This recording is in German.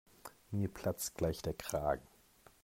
Mir platzt gleich der Kragen.